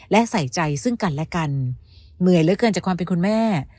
และใส่ใจซึ่งกันและกันเหนื่อยเหลือเกินจากความเป็นคุณแม่